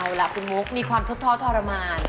เอาล่ะคุณมุกมีความทบท้อทรมาน